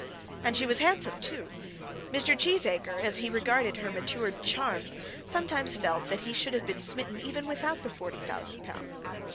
And she was handsome too. Mr. Cheesacre, as he regarded her matured charms, sometimes felt that he should have been smitten even without the forty thousand pounds.